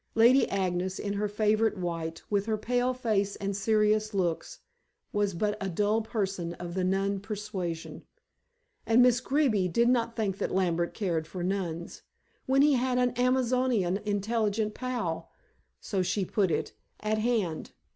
Lady Agnes, in her favorite white, with her pale face and serious looks, was but a dull person of the nun persuasion. And Miss Greeby did not think that Lambert cared for nuns, when he had an Amazonian intelligent pal so she put it at hand.